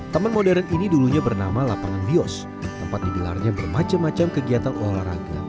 taman modern ini dulunya bernama lapangan bios tempat digelarnya bermacam macam kegiatan olahraga